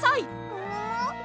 ももも？